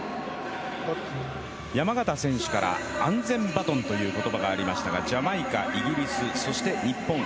山縣選手から安全バトンという言葉がありましたがジャマイカ、イギリスそして日本